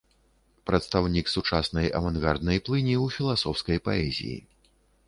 Прадстаўнік сучаснай авангарднай плыні ў філасофскай паэзіі.